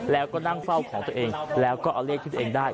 แล้วก็นั่งเฝ้าของตัวเองแล้วก็เอาเลขที่ตัวเองได้